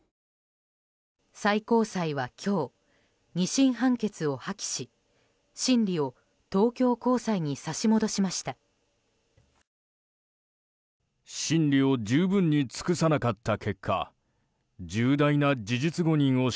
最高裁は今日２審判決を破棄し審理を東京高裁に差し戻しました。